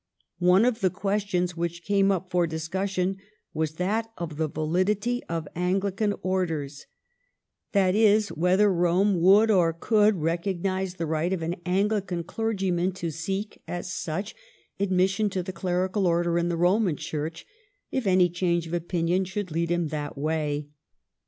One of the questions which came up for discussion was that of the validity of Anglican orders ; that is, whether Rome would or could recognize the right of an Anglican clergyman to seek, as such, admission to the clerical order in the Roman Church, if any change of opinion should lead him that way.